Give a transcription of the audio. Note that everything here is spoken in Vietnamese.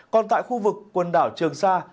còn tại khu vực quần đảo trường sa